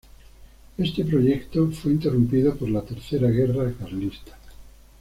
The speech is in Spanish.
Este proyecto fue interrumpido por la Tercera Guerra Carlista.